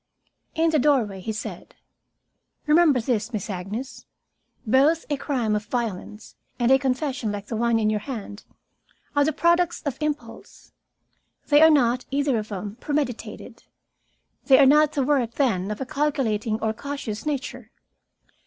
In the doorway he said: "Remember this, Miss Agnes. Both a crime of violence and a confession like the one in your hand are the products of impulse. They are not, either of them, premeditated. They are not the work, then, of a calculating or cautious nature.